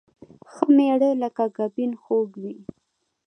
ښه مېړه لکه ګبين خوږ وي